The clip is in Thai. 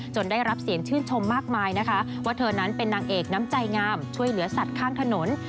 ได้รับเสียงชื่นชมมากมายนะคะว่าเธอนั้นเป็นนางเอกน้ำใจงามช่วยเหลือสัตว์ข้างถนน